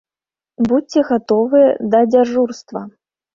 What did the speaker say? Будзьце гатовыя да дзяжурства!